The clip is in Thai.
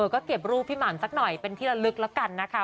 ก็เก็บรูปพี่หม่ำสักหน่อยเป็นที่ละลึกแล้วกันนะคะ